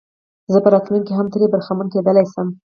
زه په راتلونکي کې هم ترې برخمن کېدلای شم.